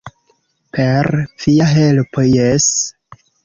Per via helpo jes!